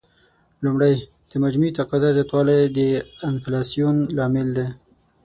لومړی: د مجموعي تقاضا زیاتوالی د انفلاسیون لامل دی.